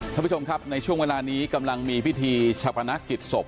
ท่านผู้ชมครับในช่วงเวลานี้กำลังมีพิธีชะพนักกิจศพ